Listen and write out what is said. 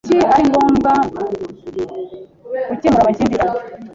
Kuki ari ngombwa gukemura amakimbirane?